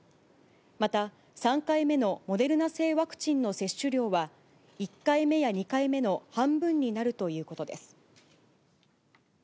また、３回目のモデルナ製ワクチンの接種量は、１回目や２回目の半分になるということです。